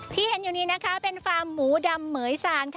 ที่เห็นอยู่นี้นะคะเป็นฟาร์มหมูดำเหมือยซานค่ะ